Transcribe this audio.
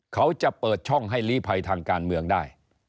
เขาจะเปิดช่องให้ลีภัยทางการเมืองได้